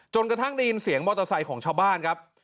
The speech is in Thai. กระทั่งได้ยินเสียงมอเตอร์ไซค์ของชาวบ้านครับ